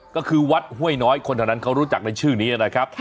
ก็คือวัดห้วยน้อยคนเท่านั้นเขารู้จักในชื่อนี้นะครับ